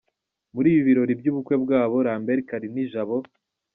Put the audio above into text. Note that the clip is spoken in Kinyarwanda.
Muri ibi birori byubukwe bwabo, Lambert Kalinijabo.